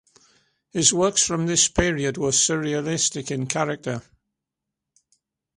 His works from this period were surrealistic in character.